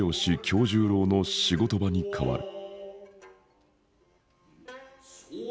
今日十郎の仕事場に変わる。